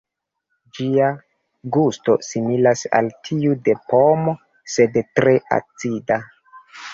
Ĝia gusto similas al tiu de pomo, sed tre acida.